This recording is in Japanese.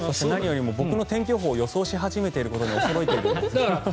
僕の天気予報を予想し始めていることに驚いています。